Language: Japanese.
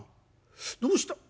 どうした。